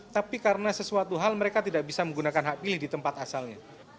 tapi karena sesuatu hal mereka tidak bisa menggunakan hak pilih di tempat asalnya